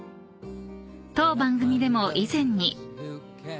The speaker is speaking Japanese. ［当番組でも以前に］